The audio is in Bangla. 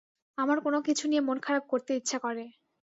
আমার কোনোকিছু নিয়ে মন খারাপ করতে ইচ্ছা করে।